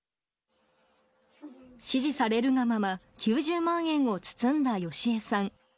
指示されるがまま、９０万円を包んだヨシエさん。